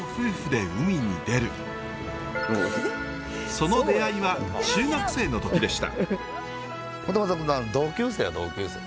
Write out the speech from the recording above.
その出会いは中学生の時でした。